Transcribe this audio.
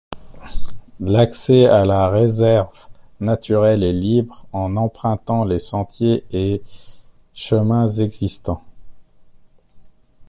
L'accès à la réserve naturelle est libre en empruntant les sentiers et chemins existants.